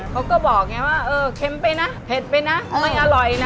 เขาก็บอกไงว่าเออเค็มไปนะเผ็ดไปนะไม่อร่อยนะ